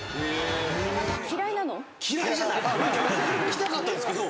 来たかったんですけど。